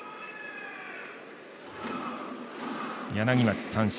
柳町、三振。